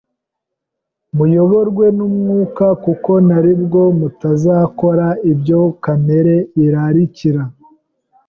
Muyoborwe n'Umwuka, kuko ari bwo mutazakora ibyo kamere irarikira;"